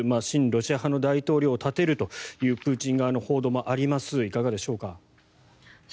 親ロシア派の大統領を立てるというプーチン側の報道もありますがいかがでしょうか。